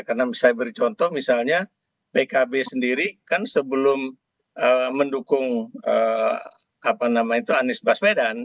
karena saya beri contoh misalnya pkb sendiri kan sebelum mendukung anies basmedan